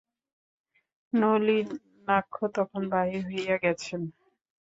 নলিনাক্ষ তখন বাহির হইয়া গেছেন।